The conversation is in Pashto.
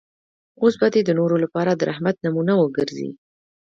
اوس به دی د نورو لپاره د رحمت نمونه وګرځي.